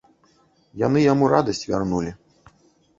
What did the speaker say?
Яны яму радасць вярнулі.